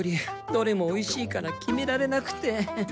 どれもおいしいから決められなくて。